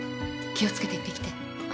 気を付けて行ってきて。